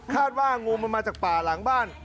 ว่างูมันมาจากป่าหลังบ้าน